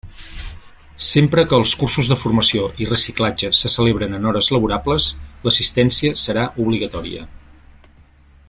Sempre que els cursos de formació i reciclatge se celebren en hores laborables, l'assistència serà obligatòria.